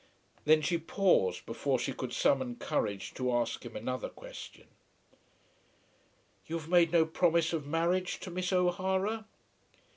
Then she paused before she could summon courage to ask him another question. "You have made no promise of marriage to Miss O'Hara?"